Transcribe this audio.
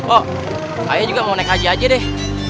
oh saya juga mau nek aja aja deh